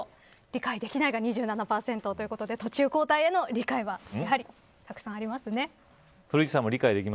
理解できるが７３％理解できないが２７％ということで途中交代への理解はやはり、たくさんありますね。